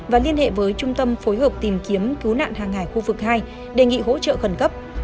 và liên hệ với trung tâm phối hợp tìm kiếm cứu nạn hàng hải khu vực hai đề nghị hỗ trợ khẩn cấp